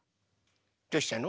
どうしたの？